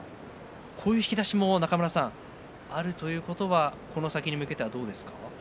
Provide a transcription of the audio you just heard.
こういう引き出しもあるということはこの先に向けてどうですか。